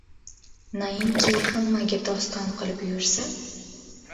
Nainki hammaga doston qilib yursa?